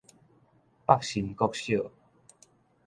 北新國小